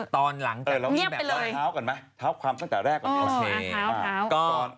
ตอนหลังจากนี้เนียบไปเลยเออแล้วนี่แบบเท้าก่อนไหมเท้าความตั้งแต่แรกก่อน